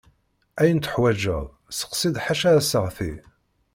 Ayen tuḥwaǧeḍ steqsi-d ḥaca aseɣti.